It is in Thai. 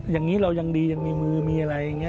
อย่างนี้เรายังดียังมีมือมีอะไรอย่างนี้